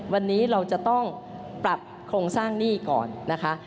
วันนี้เราจะต้องปรับโครงสร้างหนี้ก่อนนะคะ